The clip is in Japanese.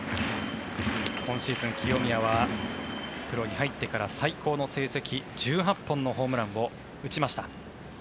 今シーズン、清宮はプロに入ってから最高の成績１８本のホームランを打ちました。